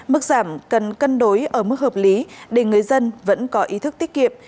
mức giảm cần cân đối ở mức hợp lý để người dân vẫn có ý thức tiết kiệm